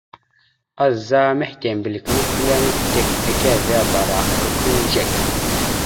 Azzá mehitembelek a mʉkʉleŋá fitek ekeveabara aka kʉliŋdzek.